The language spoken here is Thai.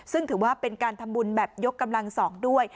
ซึ่งถือว่าเป็นการทำบุญแบบยกกำลัง๒ด้วย